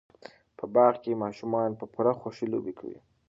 په باغ کې ماشومان په پوره خوشحۍ لوبې کوي.